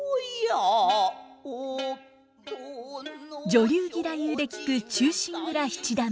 女流義太夫で聴く「忠臣蔵七段目」。